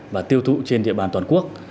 và tiêu thụ trên địa bàn toàn quốc